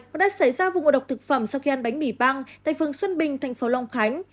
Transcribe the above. có đã xảy ra vụ ngộ độc thực phẩm sau khi ăn bánh mì băng tại phường xuân bình tp long khánh